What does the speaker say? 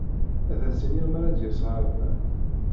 Ad as-iniɣ mi ara d-yas ɣer da.